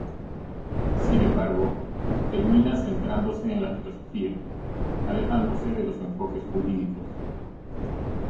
Sin embargo, termina centrándose en la filosofía, alejándose de los enfoques jurídicos.